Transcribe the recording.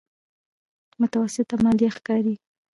متوسطه ماليه ښکاري.